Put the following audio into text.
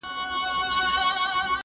کېدای سي نان تياره وي!